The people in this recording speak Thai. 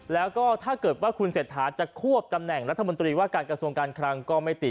แล้วก็ถ้าเกิดว่าคุณเศรษฐาจะควบตำแหน่งรัฐมนตรีว่าการกระทรวงการคลังก็ไม่ติด